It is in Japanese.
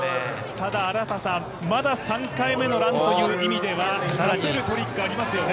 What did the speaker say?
ただまだ３回目のランという意味では、トリックありますよね。